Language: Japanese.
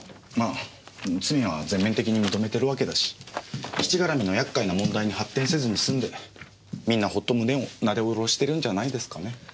まあ罪は全面的に認めてるわけだし基地がらみの厄介な問題に発展せずに済んでみんなホッと胸をなでおろしてるんじゃないですかね。